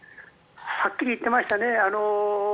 はっきり言っていましたね。